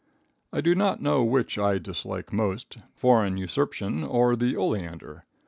I do not know which I dislike most, foreign usurpation or the oleander.